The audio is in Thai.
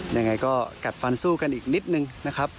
ยังไงก็กัดฟันสู้กันอีกนิดนึงนะครับ